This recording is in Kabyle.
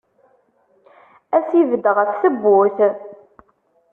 Ad as-ibedd ɣef tewwurt.